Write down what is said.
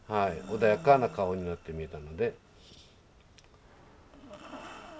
穏やかな顔になってみえたので。